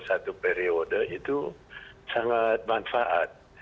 satu periode itu sangat manfaat